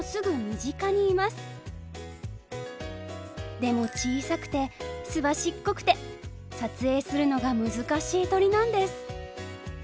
でも小さくてすばしっこくて撮影するのが難しい鳥なんです。